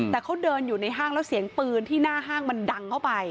แต่เขาเดินอยู่ในห้างแล้วเสียงปืนที่หน้าห้างมันดังเข้าไป